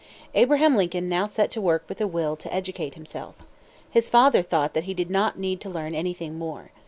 Abraham Lincoln now set to work with a will to educate himself. His father thought that he did not need to learn anything more.